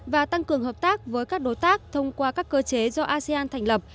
và tăng cường hợp tác với các đối tác thông qua các cơ chế do asean thành lập